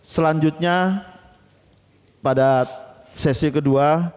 selanjutnya pada sesi kedua